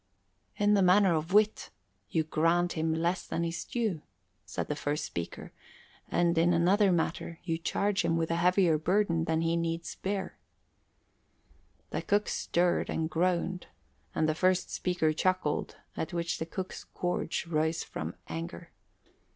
"In the matter of wit, you grant him less than his due," said the first speaker. "And in another matter you charge him with a heavier burden than he needs bear." The cook stirred and groaned and the first speaker chuckled, at which the cook's gorge rose from anger.